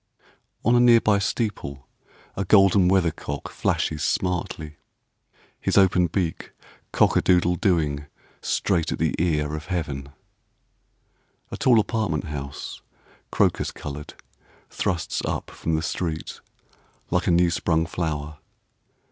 On a near by steeple, A golden weather cock flashes smartly, His open beak "Cock a doodle dooing" Straight at the ear of Heaven. A tall apartment house, Crocus coloured, Thrusts up from the street 114 PICTURES OF THE FLOATING WORLD Like a new sprung flower.